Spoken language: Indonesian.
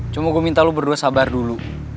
cuma gue minta lo berdua sabar dulu